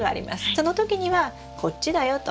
その時にはこっちだよと。